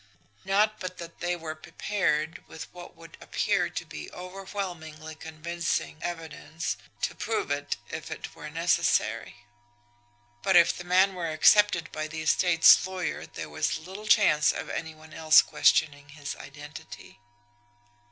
Not but that they were prepared with what would appear to be overwhelmingly convincing evidence to prove it if it were necessary; but if the man were accepted by the estate's lawyer there was little chance of any one else questioning his identity."